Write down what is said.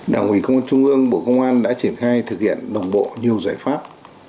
đảng ủy công an trung ương bộ công an đã triển khai thực hiện đồng bộ nhiều giải pháp